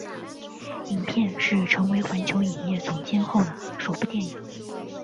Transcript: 影片是成为环球影业总监后的首部电影。